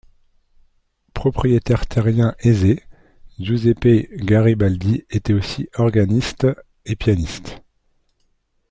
Propriétaire terrien aisé, Giuseppe Garibaldi était aussi organiste et pianiste.